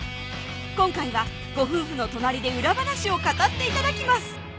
今回はご夫婦の隣で裏話を語って頂きます